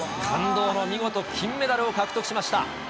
感動の見事、金メダルを獲得しました。